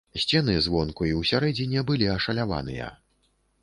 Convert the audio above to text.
Сцены звонку і ўсярэдзіне былі ашаляваныя.